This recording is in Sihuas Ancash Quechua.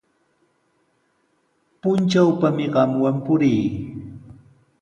Puntrawpami qamwan purii.